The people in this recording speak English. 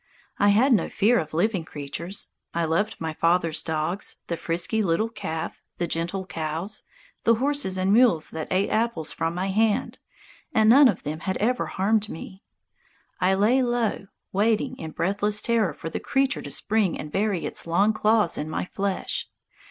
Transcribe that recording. I had no fear of living creatures. I loved my father's dogs, the frisky little calf, the gentle cows, the horses and mules that ate apples from my hand, and none of them had ever harmed me. I lay low, waiting in breathless terror for the creature to spring and bury its long claws in my flesh.